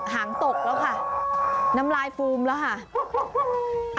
หางตกแล้วค่ะน้ำลายฟูมแล้วค่ะ